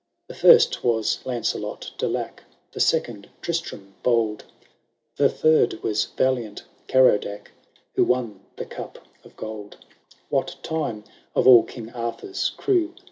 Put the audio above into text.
^ The first was Lancelot de Lac, The second Tristrem bold. The third was valiant Carodac, Who won the cup of gold,* "What time, of all King Arthur's crew